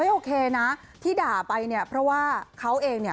โอเคนะที่ด่าไปเนี่ยเพราะว่าเขาเองเนี่ย